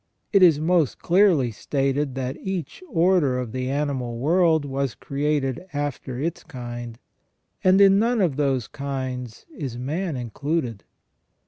It is most clearly stated that each order of the animal world was created after its kind, and in none of those kinds is man included.